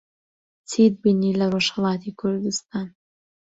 چیت بینی لە ڕۆژھەڵاتی کوردستان؟